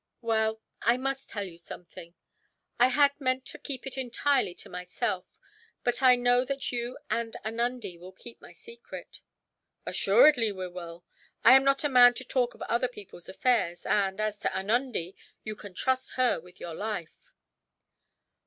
"Well, I must tell you something. I had meant to keep it entirely to myself, but I know that you and Anundee will keep my secret." "Assuredly we will. I am not a man to talk of other people's affairs and, as to Anundee, you can trust her with your life."